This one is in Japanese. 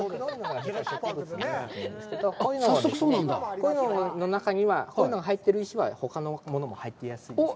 こういうのの中にはこういうのが入ってく石はほかのものも入ってる可能性があるんですね。